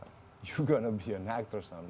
kamu akan menjadi seorang aktor suatu hari